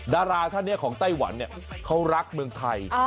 ดาราท่านนี้ของไต้หวันเนี่ยเขารักเมืองไทย